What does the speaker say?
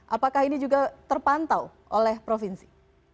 apakah ini juga terpantau oleh provinsi